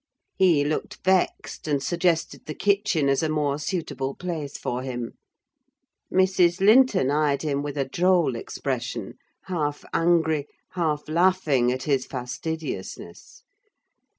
He looked vexed, and suggested the kitchen as a more suitable place for him. Mrs. Linton eyed him with a droll expression—half angry, half laughing at his fastidiousness.